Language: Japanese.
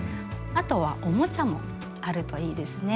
あとはおもちゃもあるといいですね。